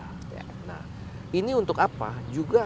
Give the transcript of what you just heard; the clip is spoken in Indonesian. nah ini untuk apa